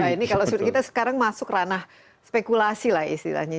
ini kalau kita sekarang masuk ranah spekulasi lah istilahnya